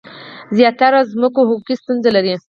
زیاتره ځمکو حقوقي ستونزي لرلي.